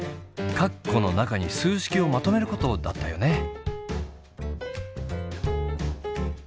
カッコの中に数式をまとめることだったよね。